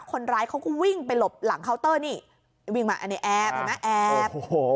คนร้ายเขาก็วิ่งไปหลบหลังเคาน์เตอร์นี่วิ่งมาอันนี้แอบเห็นไหมแอบโอ้โห